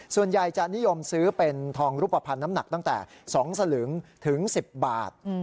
ส่วนใหญ่จะนิยมซื้อเป็นทองรูปภัณฑ์น้ำหนักตั้งแต่๒สลึงถึง๑๐บาท